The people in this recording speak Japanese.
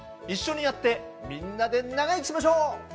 一緒にやってみんなで長生きしましょう！